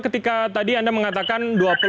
ketika tadi anda mengatakan